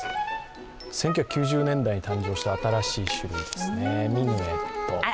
１９９０年代に誕生した新しい種類ですね、ミヌエット。